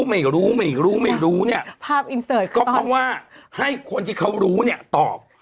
ไม่รู้ไม่รู้ไม่รู้เนี่ยภาพอินเสิร์ตก็เพราะว่าให้คนที่เขารู้เนี่ยตอบ